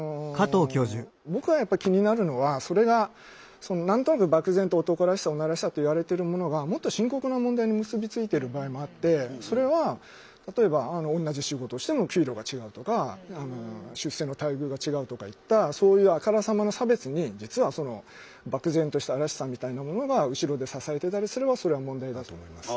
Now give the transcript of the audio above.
僕がやっぱり気になるのはそれが何となく漠然と男らしさ女らしさといわれてるものがもっと深刻な問題に結び付いてる場合もあってそれは例えば同じ仕事をしても給料が違うとか出世の待遇が違うとかいったそういうあからさまな差別に実は漠然とした「らしさ」みたいなものが後ろで支えてたりすればそれは問題だと思います。